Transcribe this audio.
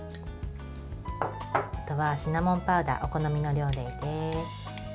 あとはシナモンパウダーをお好みの量でいいです。